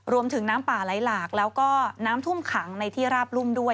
น้ำป่าไหลหลากแล้วก็น้ำท่วมขังในที่ราบรุ่มด้วย